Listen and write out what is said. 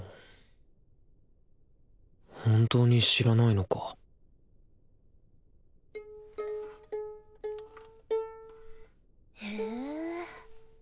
本当に知らないのかへぇあんた